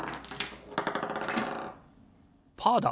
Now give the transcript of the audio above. パーだ！